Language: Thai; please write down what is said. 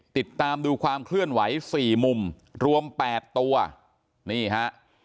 ติดตามดูความเคลื่อนไหวสี่มุมรวมแปดตัวนี่ฮะ